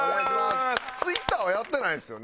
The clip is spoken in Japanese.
Ｔｗｉｔｔｅｒはやってないですよね？